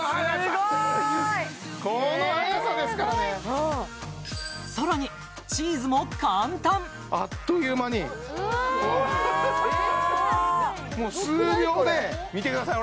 すごいさらにチーズも簡単あっという間にうわもう数秒で見てください